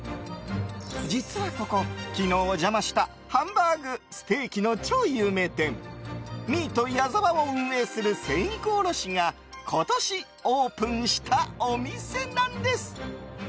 実はここ、昨日お邪魔したハンバーグ、ステーキの超有名店ミート矢澤を運営する精肉卸が今年オープンしたお店なんです。